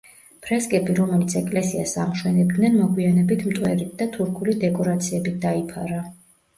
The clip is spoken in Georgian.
ფრესკები რომელიც ეკლესიას ამშვენებდნენ მოგვიანებით მტვერით და თურქული დეკორაციებით დაიფარა.